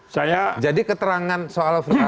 saya jadi keterangan soal